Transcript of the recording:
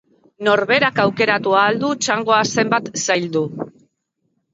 Norberak aukeratu ahal du txangoa zenbat zaildu.